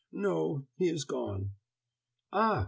"No, he is gone." "Ah!"